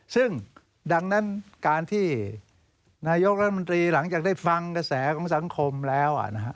ซึ่งดังนั้นการที่นายกรัฐมนตรีหลังจากได้ฟังกระแสของสังคมแล้ว